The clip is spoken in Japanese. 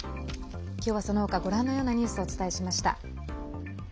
今日はその他ご覧のようなニュースをお伝えしました。